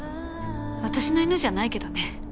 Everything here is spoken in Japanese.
私の犬じゃないけどね。